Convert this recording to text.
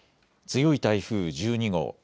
強い台風１２号。